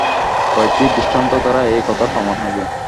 কয়েকটি দৃষ্টান্ত দ্বারা এ কথার প্রমাণ হইবে।